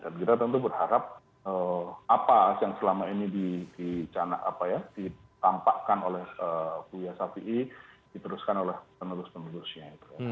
dan kita tentu berharap apa yang selama ini ditampakkan oleh buya shafi'i diteruskan oleh penerus penerusnya